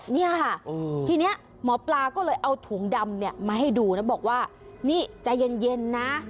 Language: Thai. เนี่ยค่ะทีนี้หมอปลาก็เลยเอาถุงดำเนี่ยมาให้ดูแล้วบอกว่านี่ใจเย็นนะ